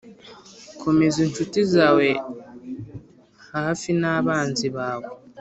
komeza inshuti zawe hafi n'abanzi bawe